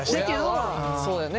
親はそうだよね。